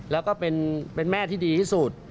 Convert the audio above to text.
แล้วก็เป็นแม่ที่ดีที่สุด